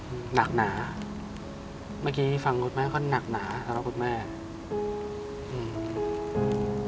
หนักหนาเมื่อกี้ฟังคุณแม่ก็หนักหนาสำหรับคุณแม่อืม